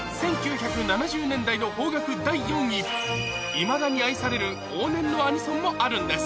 いまだに愛される往年のアニソンもあるんです